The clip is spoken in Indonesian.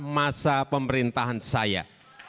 masa pemerintahan saya